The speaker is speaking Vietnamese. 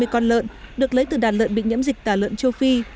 hai mươi con lợn được lấy từ đàn lợn bị nhiễm dịch tả lợn châu phi